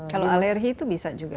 kalau alergi itu bisa juga